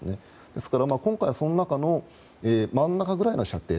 ですから今回はその中の真ん中くらいの射程。